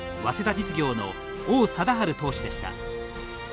実業の王貞治投手でした。